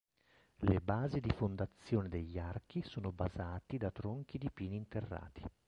Le basi di fondazione degli archi sono basati da tronchi di pini interrati.